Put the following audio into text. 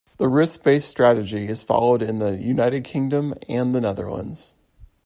The risk-based strategy is followed in the United Kingdom, and the Netherlands.